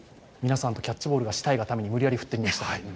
皆さんとキャッチボールがしたいがために無理やり振ってみました。